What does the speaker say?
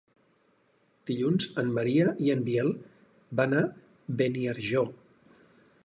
Dilluns en Maria i en Biel van a Beniarjó.